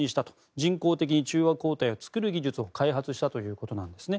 人工中和抗体を作る技術を開発したということなんですね。